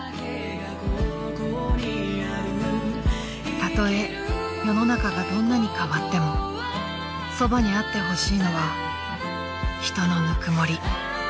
［たとえ世の中がどんなに変わってもそばにあってほしいのは人のぬくもり］